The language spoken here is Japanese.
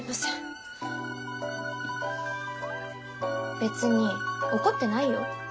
別に怒ってないよ。